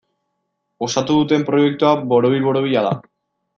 Osatu duten proiektua borobil-borobila da.